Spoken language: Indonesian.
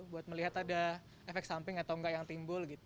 buat melihat ada efek samping atau enggak yang timbul